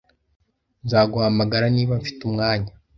Nzaguhamagara, niba mfite umwanya